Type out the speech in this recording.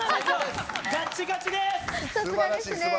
ガッチガチです！